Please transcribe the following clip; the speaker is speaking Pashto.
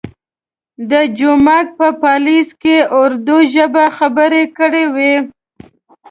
د جومک په پالیز کې اردو ژبه خبرې کړې وې.